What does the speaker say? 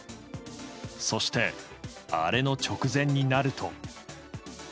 そして、アレの直前になると。